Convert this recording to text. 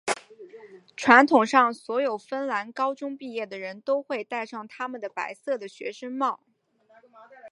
传统上所有芬兰高中毕业的人都会带上他们的白色的学生帽。